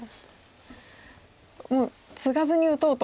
もうツガずに打とうと。